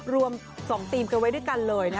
รวม๒ทีมกันไว้ด้วยกันเลยนะ